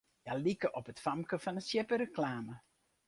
Hja like op it famke fan 'e sjippereklame.